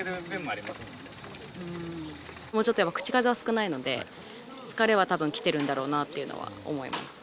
もうちょっとやっぱ口数は少ないので、疲れはたぶんきてるんだろうなとは思います。